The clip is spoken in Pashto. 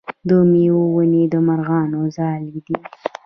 د میوو ونې د مرغانو ځالې دي.